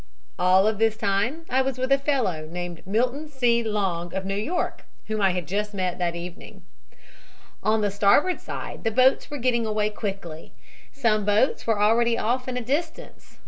All of this time I was with a fellow named Milton C. Long, of New York, whom I had just met that evening. "On the starboard side the boats were getting away quickly. Some boats were already off in a distance.